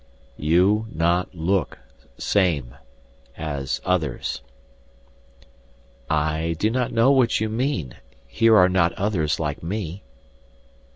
"You not look same as others " "I do not know what you mean. Here are not others like me."